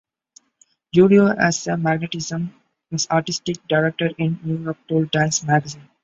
"Julio has a magnetism," his artistic director in New York told "Dance Magazine".